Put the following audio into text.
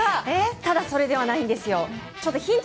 ただ、それではないんですよ。